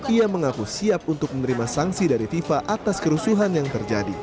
ia mengaku siap untuk menerima sanksi dari fifa atas kerusuhan yang terjadi